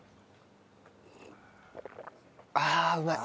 ああうまい。